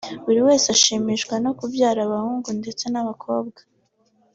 buri wese ashimishwa no kubyara bahungu ndetse n'abakobwa